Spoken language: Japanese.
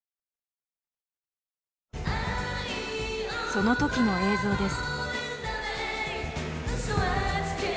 その時の映像です。